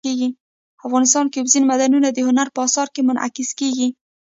افغانستان کې اوبزین معدنونه د هنر په اثار کې منعکس کېږي.